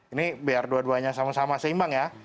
ini biar dua duanya sama sama seimbang ya